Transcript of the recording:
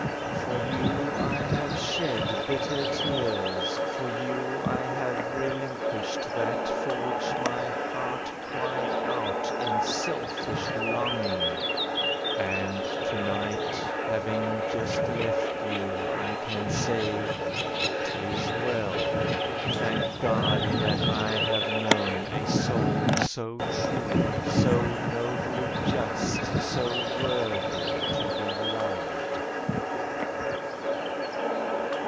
For you I have shed bitter tears, for you I have relinquished that for which my heart Cried out in selfish longing. And to night Having just left you, I can say: "'T is well. Thank God that I have known a soul so true, So nobly just, so worthy to be loved!"